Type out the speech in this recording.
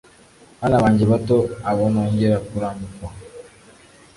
Bana banjye bato abo nongera kuramukwa